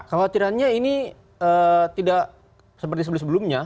kekhawatirannya ini tidak seperti sebelum sebelumnya